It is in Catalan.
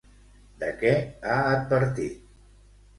De què ha advertit?